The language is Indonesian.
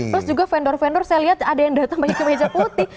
plus juga vendor vendor saya lihat ada yang datang banyak kemeja putih